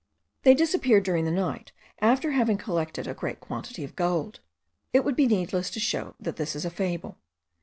They disappeared during the night, after having collected a great quantity of gold. It would be needless to show that this is a fable.